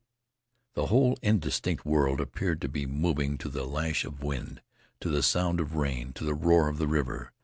The whole indistinct world appeared to be moving to the lash of wind, to the sound of rain, to the roar of the river.